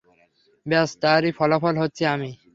ব্যাস, তারই ফলাফল হচ্ছি আমি।